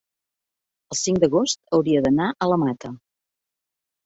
El cinc d'agost hauria d'anar a la Mata.